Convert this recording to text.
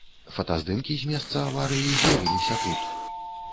Фотаздымкі з месца аварыі з'явіліся тут.